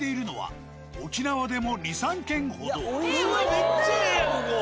めっちゃええやんここ。